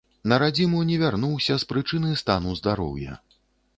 На радзіму не вярнуўся з прычыны стану здароўя.